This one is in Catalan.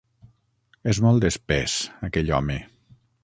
És molt espès, aquell home.